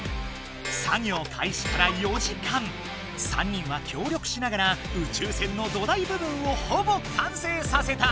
３人は協力しながら宇宙船の土台部分をほぼ完成させた。